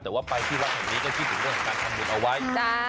แต่ว่าไปที่วัดแห่งนี้ก็คิดถึงเรื่องของการทำบุญเอาไว้